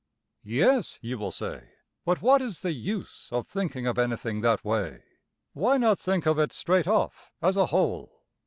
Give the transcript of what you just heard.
Yes, you will say, but what is the use of thinking of anything that way? Why not think of it straight off, as a whole?